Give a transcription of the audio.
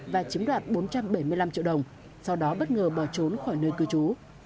và chiếm đoạt bốn trăm bảy mươi năm triệu đồng sau đó bất ngờ bỏ trốn khỏi nơi cư trú